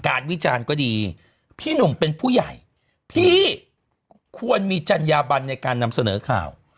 วิจารณ์ก็ดีพี่หนุ่มเป็นผู้ใหญ่พี่ควรมีจัญญาบันในการนำเสนอข่าว